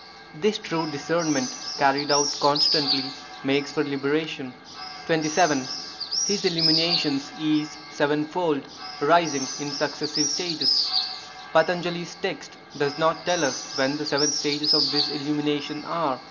This true discernment, carried out constantly, makes for liberation. 27. His illuminations is sevenfold, rising In successive stages. Patanjali's text does not tell us what the seven stages of this illumination are.